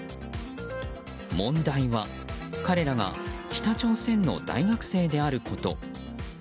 問題は、彼らが北朝鮮の大学生であること。